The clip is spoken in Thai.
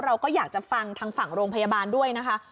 เราก็อยากจะฟังทางฝั่งโรงพยาบาลด้วยนะคะ